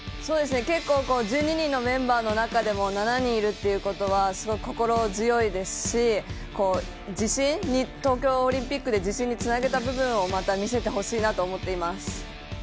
結構１２人のメンバーの中でも７人いるっていうことは、すごく心強いですし東京オリンピックで自信につなげた部分をまた見せてほしいなと思っています。